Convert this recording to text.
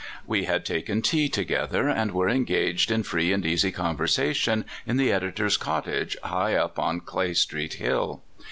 We had taken tea together, and were en gaged in free and easy conversation in the editor's cottage, high up on Clay Street Hill.